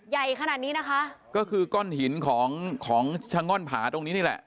ใหญ่ขนาดนี้นะคะก็คือก้อนหินของของชะง่อนผาตรงนี้นี่แหละ